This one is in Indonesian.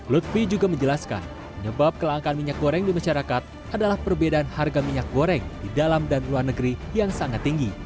lutfi juga menjelaskan penyebab kelangkaan minyak goreng di masyarakat adalah perbedaan harga minyak goreng di dalam dan luar negeri yang sangat tinggi